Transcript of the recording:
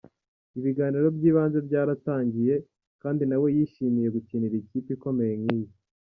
Ibiganiro by’ibanze byaratangiye kandi na we yishimiye gukinira ikipe ikomeye nk’iyi.